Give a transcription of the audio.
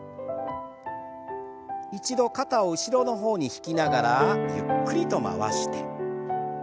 一度肩を後ろの方に引きながらゆっくりと回して。